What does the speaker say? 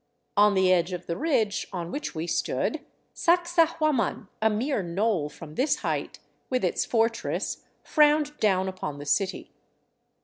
On the edge of the ridge on which we stood, Sacsahuaman, a mere knoll from this height, with its fortress, frowned down upon the city.